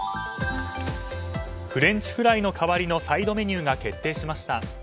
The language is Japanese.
フレンチフライの代わりのサイドメニューが決定しました。